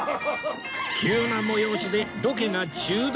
急なもよおしでロケが中断！